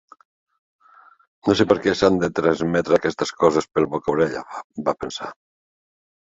No sé per què s'han de transmetre aquestes coses pel boca-orella, va pensar.